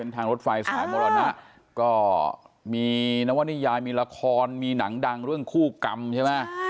ทางรถไฟสายมรนะก็มีหน้าวแน่นิยายมีราคอลมีหนังดังเรื่องคู่กรรมใช่มั้ย